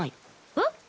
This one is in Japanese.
えっ？